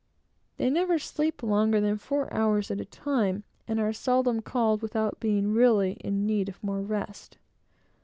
They never sleep longer than four hours at a time, and are seldom called without being really in need of more rest.